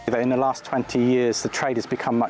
นอกจากสัตว์ป่าที่มีชีวิตแล้ว